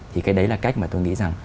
thì cái đấy là cách mà tôi nghĩ rằng